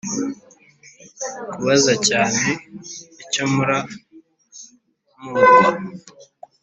kubaza cyane icyo mpora mporwa